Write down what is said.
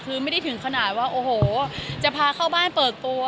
คือไม่ได้ถึงขนาดว่าโอ้โหจะพาเข้าบ้านเปิดตัว